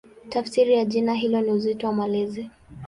Tafsiri ya jina hilo ni "Uzito wa Malezi".